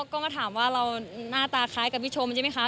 ก็มาถามว่าเราหน้าตาคล้ายกับพี่ชมใช่ไหมคะ